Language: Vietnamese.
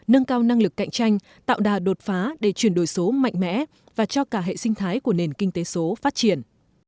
nâng cao năng lực cạnh tranh tạo đà đột phá để chuyển đổi số mạnh mẽ và cho cả hệ sinh thái của nền kinh tế số phát triển